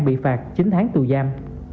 bị phạt chín tháng tù giam